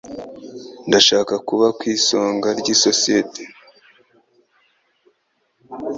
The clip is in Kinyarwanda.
Ndashaka kuba ku isonga ryisosiyete.